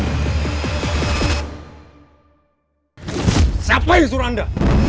saya tanya siapa yang suruh anda